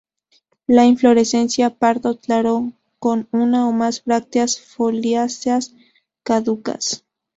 La inflorescencia pardo claro, con una o más brácteas foliáceas caducas.